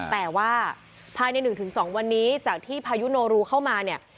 แต่ว่าภายใน๑๒วันนี้จากที่พายุโนรูเข้ามาเนี่ย